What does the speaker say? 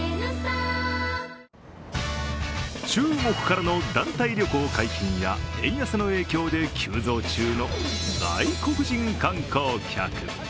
中国からの団体旅行解禁や円安の影響で急増中の外国人観光客。